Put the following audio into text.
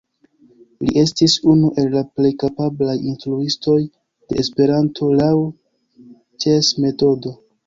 Li estis unu el la plej kapablaj instruistoj de Esperanto laŭ Cseh-metodo.